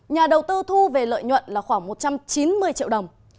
nhà đầu tư thu về lợi nhuận là khoảng một trăm chín mươi triệu đồng